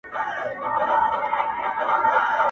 ته راته ووایه چي څنگه به جنجال نه راځي.